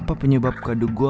sampai jumpa di video selanjutnya